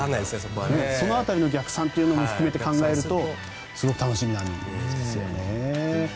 その辺りの逆算も含めて考えるとすごく楽しみなんですよね。